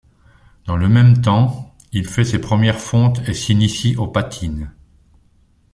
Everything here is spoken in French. Dans le même temps, il fait ses premières fontes et s'initie aux patines.